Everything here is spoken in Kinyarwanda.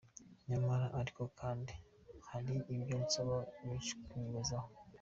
Nyamara ariko kandi hari ibyo nsaba benshi kwibazaho: